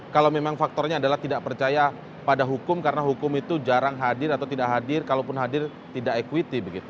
kalau memang faktornya adalah tidak percaya pada hukum karena hukum itu jarang hadir atau tidak hadir kalaupun hadir tidak equity